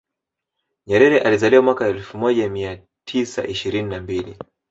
nyerere alizaliwa mwaka elfu moja mia tisa ishirini na mbili